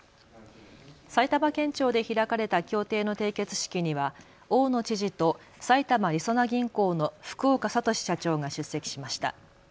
埼玉県庁で開かれた協定の締結式には大野知事と埼玉りそな銀行の福岡聡社長が出席しました。